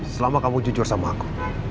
selama kamu jujur sama aku